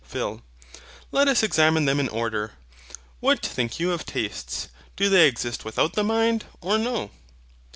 PHIL. Let us examine them in order. What think you of TASTES, do they exist without the mind, or no?